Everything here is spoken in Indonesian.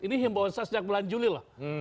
ini yang bawah saya sejak bulan juli loh